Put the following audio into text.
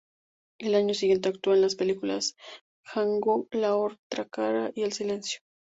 El año siguiente, actuó en las películas "Django: la otra cara" y "Silencio".